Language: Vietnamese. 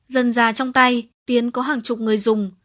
dần già trong tay tiến có hàng chục người dùng